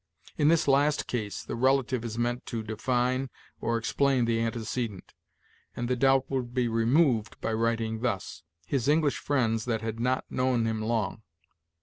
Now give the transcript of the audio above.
In this last case the relative is meant to define or explain the antecedent, and the doubt would be removed by writing thus: 'his English friends that had not known him long.'